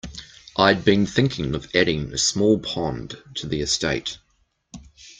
I'd been thinking of adding a small pond to the estate.